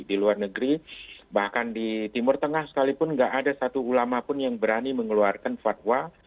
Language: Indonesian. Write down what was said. di luar negeri bahkan di timur tengah sekalipun nggak ada satu ulama pun yang berani mengeluarkan fatwa